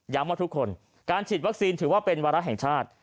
ว่าทุกคนการฉีดวัคซีนถือว่าเป็นวาระแห่งชาติ